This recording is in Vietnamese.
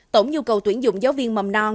tổng nhu cầu tuyển dụng giáo viên mầm non